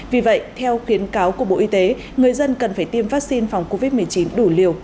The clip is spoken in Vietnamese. vì vậy theo khuyến cáo của bộ y tế người dân cần phải tiêm vaccine phòng covid một mươi chín đủ liều